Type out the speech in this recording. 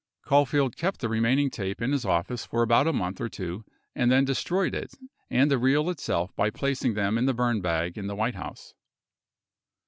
Caulfield kept the remaining tape in his office for about a month or two and then destroyed it and the reel itself by plac ing them in the burn bag in the White House.